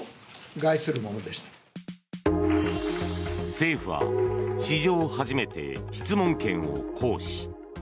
政府は史上初めて質問権を行使。